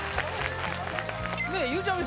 ゆうちゃみ